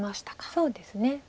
そうですね。